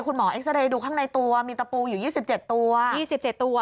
คุณหมอเอ็กซาเรย์ดูข้างในตัวมีตะปูอยู่ยี่สิบเจ็ดตัวยี่สิบเจ็ดตัว